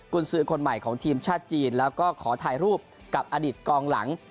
คุณซื้อคนใหม่ของทีมชาติจีนแล้วก็ขอถ่ายรูปกับอดีตกองหลัง